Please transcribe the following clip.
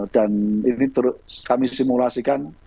dan ini kami simulasikan